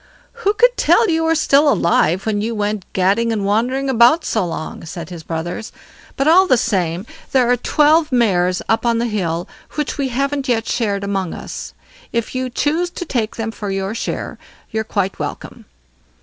"Who could tell you were still alive, when you went gadding and wandering about so long?" said his brothers. "But all the same; there are twelve mares up on the hill which we haven't yet shared among us; if you choose to take them for your share, you're quite welcome."